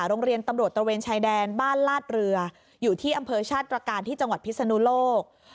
โรงเรียนตำรวจตระเวนชายแดนบ้านลาดเรืออยู่ที่อำเภอชาติตรการที่จังหวัดพิศนุโลก